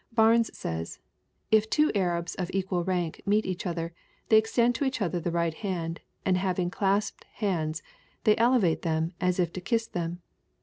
Barnes says, If two Arabs of equai rank meet each other, they extend to each other the right hand, and having clasped liands, they elevate them, as if to kiss them.